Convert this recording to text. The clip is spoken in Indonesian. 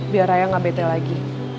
biar raya gak bete lagi